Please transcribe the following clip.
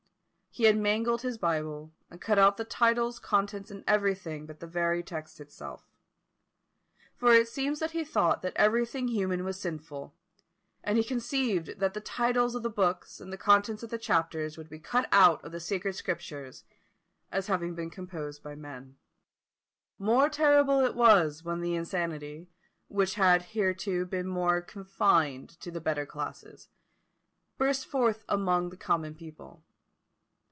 He had mangled his Bible, and cut out the titles, contents, and everything but the very text itself; for it seems that he thought that everything human was sinful, and he conceived that the titles of the books and the contents of the chapters were to be cut out of the sacred Scriptures, as having been composed by men. More terrible it was when the insanity, which had hitherto been more confined to the better classes, burst forth among the common people.